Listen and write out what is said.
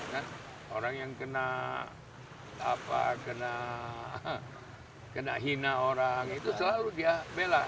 kan orang yang kena hina orang itu selalu dia bela